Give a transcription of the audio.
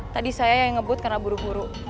tadi saya yang ngebut karena buru buru